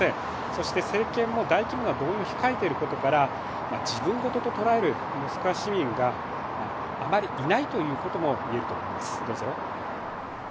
そして政権も大規模な導入を控えていることから自分事と捉えるモスクワ市民があまりいないということも言えると思います。